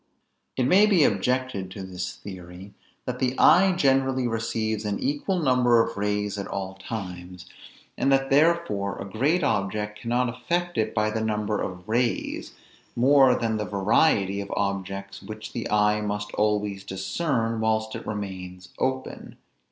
It may be objected to this theory, that the eye generally receives an equal number of rays at all times, and that therefore a great object cannot affect it by the number of rays, more than that variety of objects which the eye must always discern whilst it remains open.